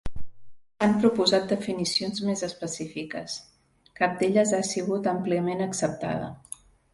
S'han proposat definicions més específiques; cap d'elles ha sigut àmpliament acceptada.